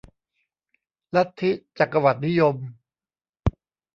ลัทธิจักรวรรดินิยม